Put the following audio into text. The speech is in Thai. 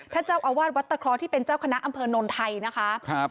เจ้าอาวาสวัดตะเคราะห์ที่เป็นเจ้าคณะอำเภอนนไทยนะคะครับ